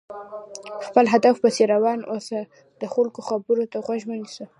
خپل هدف پسې روان اوسه، د خلکو خبرو ته غوږ مه نيسه!